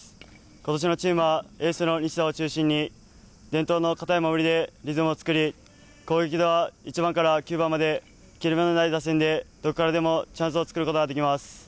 ことしのチームはエースの西田を中心に伝統の堅い守りでリズムを作り攻撃では１番から９番まで切れ目のない打線でどこからでもチャンスを作ることができます。